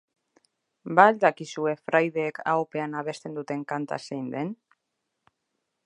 Ba al dakizue fraideek ahopean abesten duten kanta zein den?